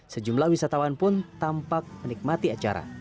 sejumlah wisatawan pun tampak menikmati acara